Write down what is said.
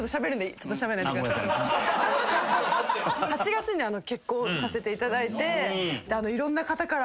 ８月に結婚させていただいて。